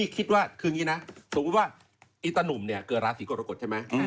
คืองี้นะสมมุดว่าไอ้ตานุ่มเกิดราศีกตรกฎใช่ไหม